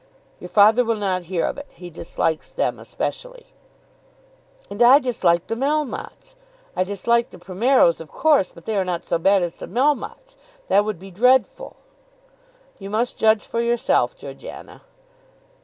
"Your father will not hear of it. He dislikes them especially." "And I dislike the Melmottes. I dislike the Primeros of course, but they are not so bad as the Melmottes. That would be dreadful." "You must judge for yourself, Georgiana."